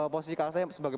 posisi kakak saya sebagai